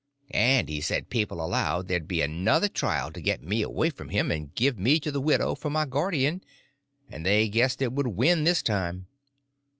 And he said people allowed there'd be another trial to get me away from him and give me to the widow for my guardian, and they guessed it would win this time.